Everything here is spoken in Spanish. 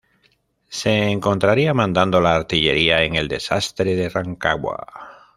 Se encontraría mandando la artillería en el desastre de Rancagua.